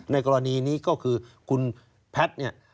ในกรณีนี้ก็คือคุณแพทย์เนี่ย